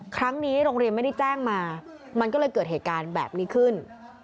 ครั้งนี้โรงเรียนไม่ได้แจ้งมามันก็เลยเกิดเหตุการณ์แบบนี้ขึ้น